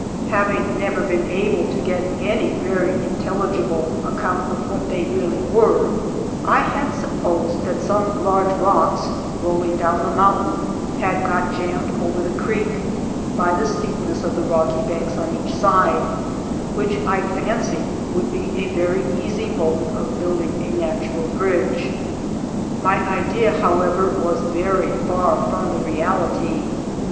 Having never been able to get any very intelligible account of vi^hat they really were, I had supposed that some large rocks rolling down the mountain had got jammed over the creek, by the steepness of the rocky banks on each side, which I fancied would be a very easy mode of building a natural bridge. My idea, however, was very far from the reality.